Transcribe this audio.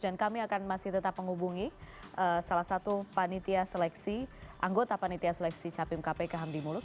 dan kami akan masih tetap menghubungi salah satu anggota panitia seleksi capim kpk hamdi mulut